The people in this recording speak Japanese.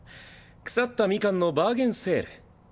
腐ったミカンのバーゲンセール。